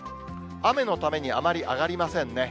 雨のためにあまり上がりませんね。